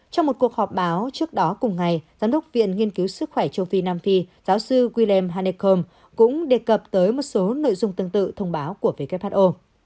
trong một cuộc họp báo trước đó cùng ngày giám đốc viện nghiên cứu sức khỏe châu phi nam phi giáo sư willem hanekom cũng đề cập tới một số nội dung tương tự thông báo của who